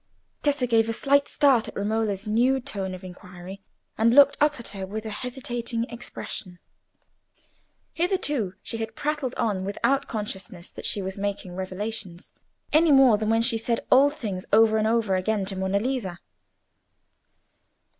Tessa gave a slight start at Romola's new tone of inquiry, and looked up at her with a hesitating expression. Hitherto she had prattled on without consciousness that she was making revelations, any more than when she said old things over and over again to Monna Lisa.